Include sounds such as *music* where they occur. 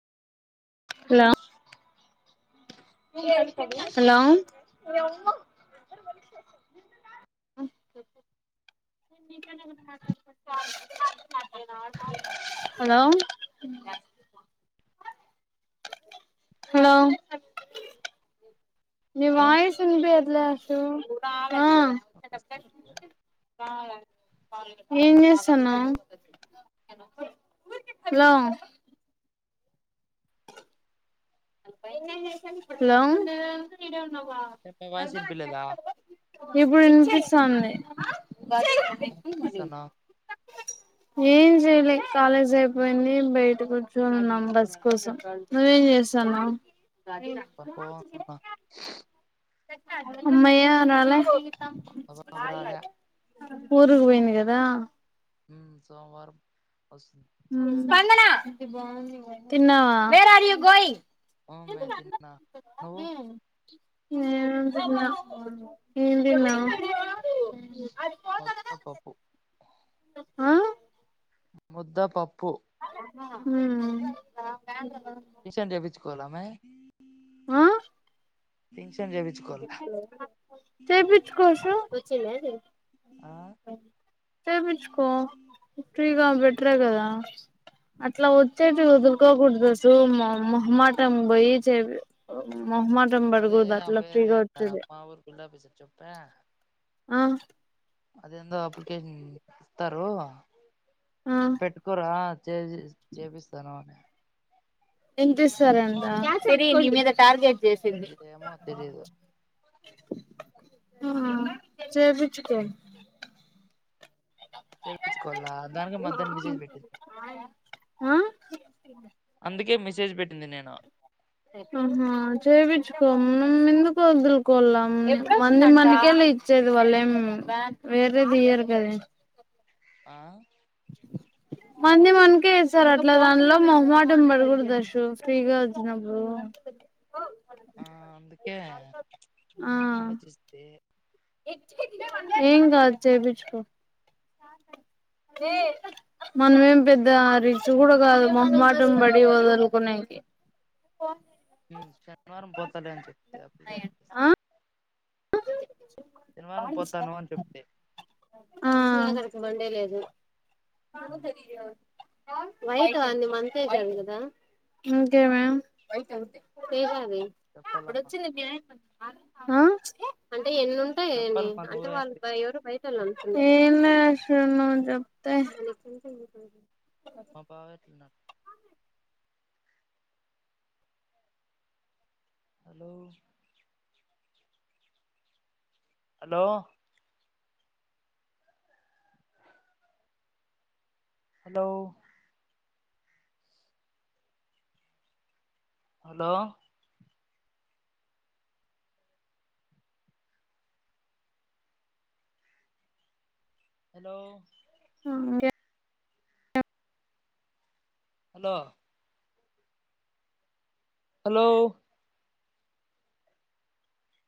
hello hello hello hello నీ hello voice వినిపియ్యట్లేదు లు త ప్ప ఏం చేస్తన్నావ్ హలో హలో చెప్పే వాయిస్ ఇనిపిలేదా ఇప్పుడు వినిపిస్తాంది మ ఏం చేస్తున్నావ్ ఏం చేయలే కాలేజ్ అయిపోయింది బయట కూర్చుని ఉన్నాం బస్సు కోసం నువ్వేం చేస్ చనా సరే పనుకోనున్న అమ్మయ న మా బాబు రాలే ఊరుకు పోయింది కదా ఉ సోమవారం వస్తు స్పందన తిన్నావా వేర్ అర్ యు గోయింగ్ మే తిన్నా నువ్వు ఏందినా ముద్దపపు ఆ ముద్ద పప్పు మ్మ్ ఈషన్ చేపిచ్చు కోలామే ఆ ఇన్ష్ చేపిచ్చుకో సో ఆ చేపిచ్చుకో ఫ్రీగా బెటరే కదా అట్లా వచ్చేటివి వదులుకోకూడదు వసు, మొహ్ మొహమాటం బోయి చే మొహమ్మాటం అదే బడుగుడుదు అట్లా ఫ్రీగా వచ్చేది చెప్పే ఆ అదేందో అప్లికేషన్ ఇస్తారు ఆ పెట్టుకోరా చేజి చేపిస్తాను అనే ఎంతిస్సార్ అంట ఏమో తెలీదు ఆ చేపిచ్చుకో చేయించుకోల దానిక మధహ్న మిసేజ్ పెట్టింది ఆ అందుకే మెసేజ్ పెట్టింది నేను ఆహా జవి చ్చుకో మం ఎందుకు వదులుకోళం మంది మందికెళ్ళ ఇచ్చేది వాళ్ళ ఏం వేరేదియరు కదా ఆ మంది మనకే వస్తారు అట్లా దానిలో మహమాటం పడకూడదుచ్చ ఫ్రీగా వచ్చినప్పుడు ఆ అందుకే ఆ ఆలోచిస్తే ఏంగ్ జయబిట్కో మనమేం పెద్ద రిచ్ కూడా కాదు మమ్మాటంబడి వదులుకోడానికి శనివారం సరే అని చెప్తే ఆ సనివారం పోతను అని చెప్తే ఆ అ వెళలేదు అ ఉమ్, సర వయి అంతద అప్పుడ చెప్పాలమ్మా వచ్చిందిన్యాయం ఆ అయితే ఎన్ని ఉంటాయని చెప్పాలమ్మా అంటే నువ్వే వాళ్ళు ఎవరు బయట చలం ఏలా అస ను చెప్తే మా బావ ఎట్లున్నారు hello hello hello hello hello *inaudible* hello hello